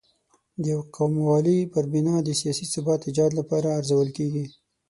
د یو قوموالۍ پر بنا د سیاسي ثبات ایجاد لپاره ارزول کېږي.